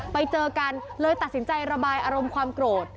ไปเจอกันเลยตัดสินใจระบายอารมณ์ความโกรธ